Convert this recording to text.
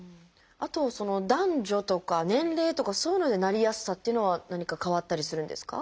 あと男女とか年齢とかそういうのでなりやすさっていうのは何か変わったりするんですか？